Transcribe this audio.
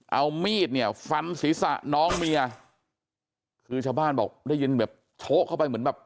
เอามีดเนี่ยฟันศีรษะน้องเมียคือชาวบ้านบอกได้ยินแบบโชคเข้าไปเหมือนแบบ